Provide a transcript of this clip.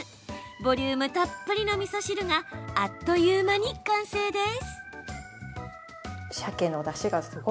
ボリュームたっぷりのみそ汁があっという間に完成です。